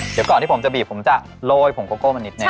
เดี๋ยวก่อนที่ผมจะบีบผมจะโรยผงโกโก้มานิดนึ